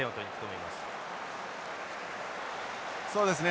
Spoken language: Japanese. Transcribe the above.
そうですね